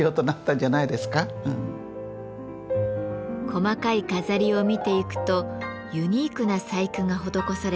細かい飾りを見ていくとユニークな細工が施されています。